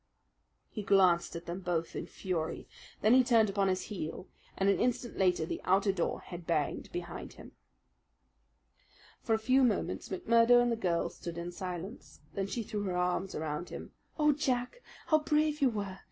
He glanced at them both in fury. Then he turned upon his heel, and an instant later the outer door had banged behind him. For a few moments McMurdo and the girl stood in silence. Then she threw her arms around him. "Oh, Jack, how brave you were!